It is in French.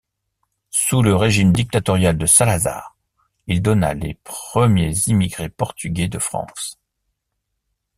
Sous le régime dictatorial de Salazar, il donna les premiers immigrés portugais de France.